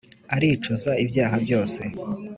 aricuza ibyaha byoseee ,